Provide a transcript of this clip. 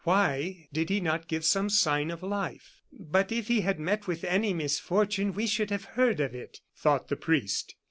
Why did he not give some sign of life? "But if he had met with any misfortune we should have heard of it," thought the priest.